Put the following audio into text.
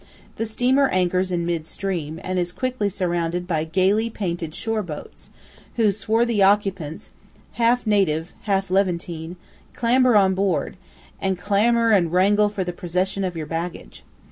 The steamer anchors in mid stream, and is quickly surrounded by gaily painted shore boats, whose swarthy occupants half native, half Levantine clamber on board, and clamour and wrangle for the possession of your baggage.